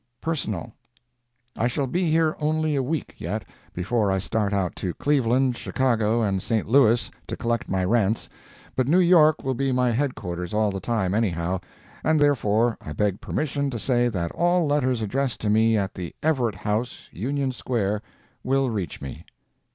PERSONAL. I shall be here only a week, yet, before I start out to Cleveland, Chicago, and St. Louis, to collect my rents, but New York will be my headquarters all the time anyhow, and therefore I beg permission to say that all letters addressed to me at the Everett House, Union Square, will reach me.